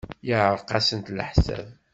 Yeɛreq-asent leḥsab.